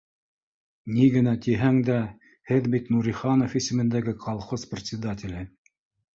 —Ни генә тиһәң дә, һеҙ бит Нуриханов исемендәге колхоз председателе